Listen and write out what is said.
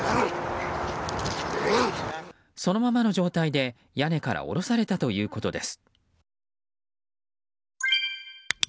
そのままの状態で、屋根から下ろされたということです。